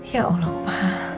ya allah pak